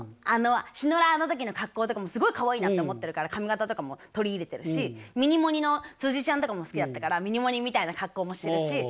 あのシノラーの時の格好とかもすごいかわいいなと思ってるから髪形とかも取り入れてるしミニモニ。のちゃんとかも好きだったからミニモニ。みたいな格好もしてるし。